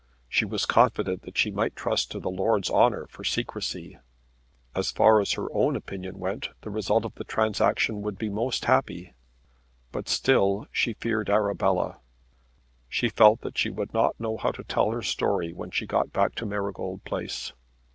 She was confident that they might trust to the lord's honour for secrecy. As far as her own opinion went the result of the transaction would be most happy. But still she feared Arabella. She felt that she would not know how to tell her story when she got back to Marygold Place.